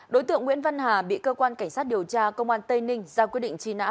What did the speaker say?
đối tượng nguyễn văn hà bị cơ quan cảnh sát điều tra công an tây ninh ra quyết định truy nã